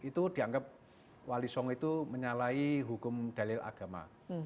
itu dianggap wali song itu menyalahi hukum dalil agama